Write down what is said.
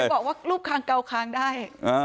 บอกว่ารูปคางเกาคางได้